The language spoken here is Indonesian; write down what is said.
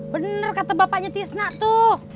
bener kata bapaknya tisna tuh